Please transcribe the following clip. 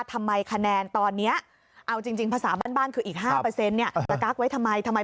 ทำไมคะแนนตอนนี้เอาจริงภาษาบ้านคืออีก๕สกั๊กไว้ทำไม